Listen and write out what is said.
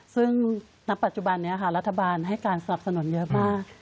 ซึ่งณปัจจุบันนี้ค่ะรัฐบาลให้การสนับสนุนเยอะมาก